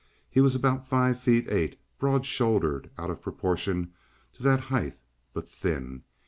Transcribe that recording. He was about five feet eight, broad shouldered out of proportion to that height, but thin.